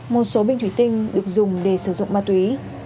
một số bình thủy tinh được dùng để sử dụng ma túy